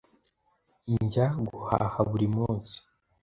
Njya guhaha buri munsi.